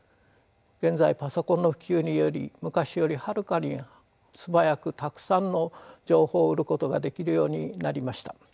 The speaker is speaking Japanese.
現在パソコンの普及により昔よりはるかに素早くたくさんの情報を得ることができるようになりました。